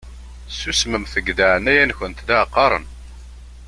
Susmemt deg leɛnaya-nkent la qqaṛen!